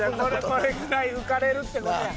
これぐらい浮かれるって事や。